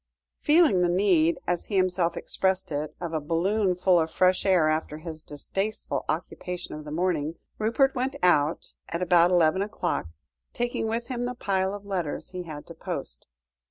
Feeling the need, as he himself expressed it, of a balloon full of fresh air after his distasteful occupation of the morning, Rupert went out at about eleven o'clock, taking with him the pile of letters he had to post.